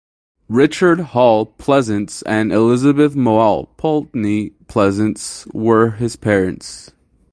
Richard Hall Pleasants and Elizabeth Moale (Poultney) Pleasants were his parents.